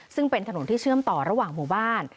ซึ่งเป็นถนนที่เชื่อมต่อระหว่างหมู่บ้าน